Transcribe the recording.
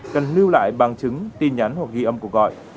cần lưu lại bằng chứng tin nhắn hoặc ghi âm cuộc gọi